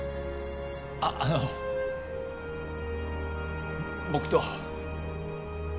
あっあのぼ僕と。